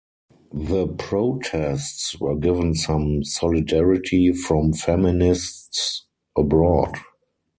The protests were given some solidarity from feminists abroad.